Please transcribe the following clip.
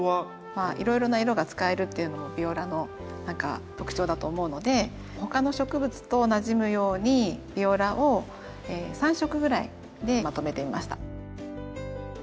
まあいろいろな色が使えるっていうのもビオラの何か特徴だと思うので他の植物となじむようにビオラを３色ぐらいでまとめてみました。